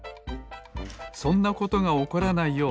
そんなことがおこらないよう